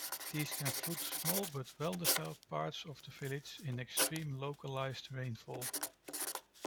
These can flood small but well-developed parts of the village in extreme localised rainfall.